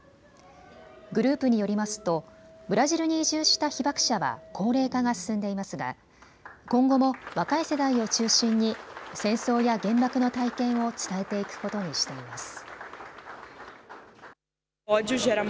グループによりますとブラジルに移住した被爆者は高齢化が進んでいますが今後も若い世代を中心に戦争や原爆の体験を伝えていくことにしています。